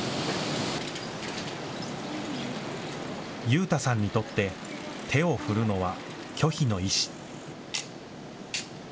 悠太さんにとって手を振るのは拒否の意思。